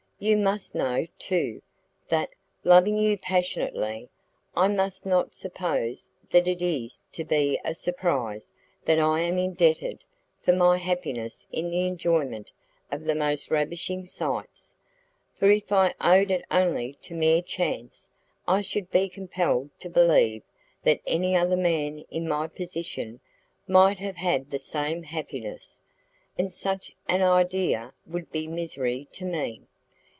You must know, too, that, loving you passionately, I must not suppose that it is to be a surprise that I am indebted for my happiness in the enjoyment of the most ravishing sights, for if I owed it only to mere chance I should be compelled to believe that any other man in my position might have had the same happiness, and such an idea would be misery to me.